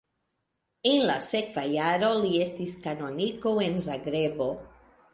En la sekva jaro li estis kanoniko en Zagrebo.